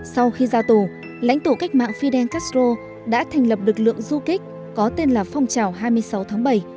sau khi ra tù lãnh tụ cách mạng fidel castro đã thành lập lực lượng du kích có tên là phong trào hai mươi sáu tháng bảy